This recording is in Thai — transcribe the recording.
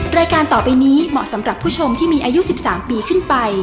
รายการต่อไปนี้เหมาะสำหรับผู้ชมที่มีอายุ๑๓ปีขึ้นไป